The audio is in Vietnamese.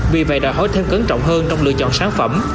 vì vậy đòi hỏi thêm cẩn trọng hơn trong lựa chọn sản phẩm